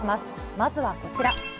まずはこちら。